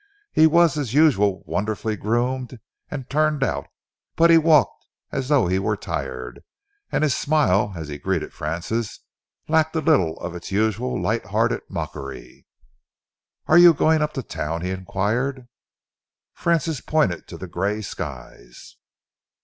He was as usual wonderfully groomed and turned out, but he walked as though he were tired, and his smile, as he greeted Francis, lacked a little of its usual light hearted mockery. "Are you going up to town?" he enquired. Francis pointed to the grey skies.